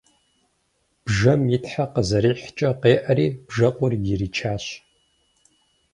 Бжэм и тхьэ къызэрихькӏэ къеӏэри бжэкъур иричащ.